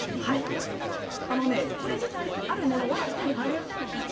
あのねこれ自体あるものは手に入りやすいものです。